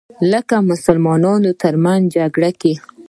لکه مسلمانانو تر منځ جګړو کې